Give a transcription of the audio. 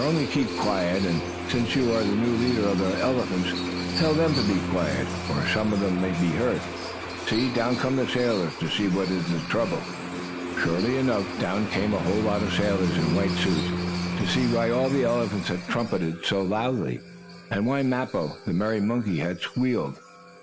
Only keep quiet, and, since you are the new leader of the elephants, tell them to be quiet, or some of them may be hurt. See, down come the sailors to see what is the trouble." Surely enough, down came a whole lot of sailors, in white suits, to see why all the elephants had trumpeted so loudly, and why Mappo, the merry monkey, had squealed.